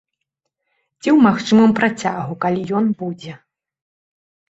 Ці ў магчымым працягу, калі ён будзе.